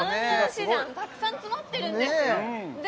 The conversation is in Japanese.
市場たくさん詰まってるんですよで